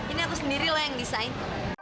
ini aku sendiri lah yang desain